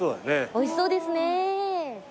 おいしそうですね。